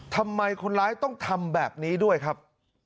ทำไมคนร้ายต้องทำแบบนี้ด้วยครับ